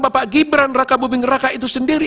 bapak gibran raka buming raka itu sendiri